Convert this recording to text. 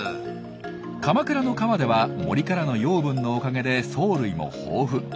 鎌倉の川では森からの養分のおかげで藻類も豊富。